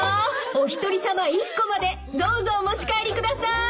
お一人さま１個までどうぞお持ち帰りください。